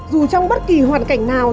dù trong bất kỳ hoàn cảnh nào